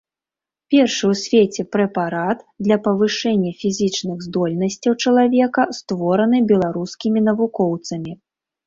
Першы ў свеце прэпарат для павышэння фізічных здольнасцяў чалавека створаны беларускімі навукоўцамі.